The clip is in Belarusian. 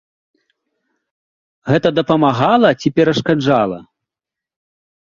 Гэта дапамагала ці перашкаджала?